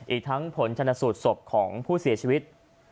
อีกทั้งผลชนสูตรศพของผู้เสียชีวิต